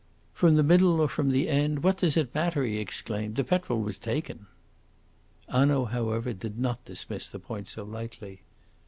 "From the middle or from the end what does it matter?" he exclaimed. "The petrol was taken." Hanaud, however, did not dismiss the point so lightly.